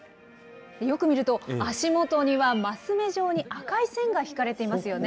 よく見ると、足元には升目状に赤い線が引かれていますよね。